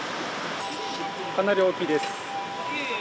かなり大きいです。